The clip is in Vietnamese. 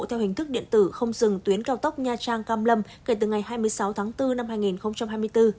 theo hình thức điện tử không dừng tuyến cao tốc nha trang cam lâm kể từ ngày hai mươi sáu tháng bốn năm hai nghìn hai mươi bốn